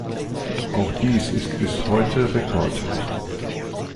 Auch dies ist bis heute Rekord.